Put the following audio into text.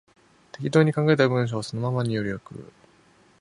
適当に考えた文章をそのまま入力